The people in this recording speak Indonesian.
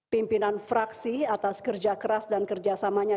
pimpinan fraksi atas kerja keras dan kerjasamanya